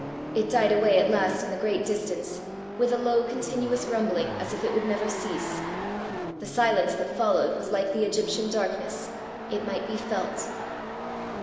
It died away at last in the great distance, with a low continuous rumbling as if it would never cease. The silence that followed was like the Egyptian darkness; it might be felt.